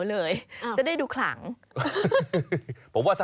มีกลิ่นหอมกว่า